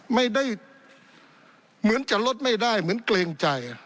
ไม่ได้เหมือนจะลดไม่ได้เหมือนเกรงใจ